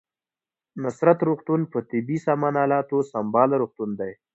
نصرت روغتون په طبي سامان الاتو سمبال روغتون دی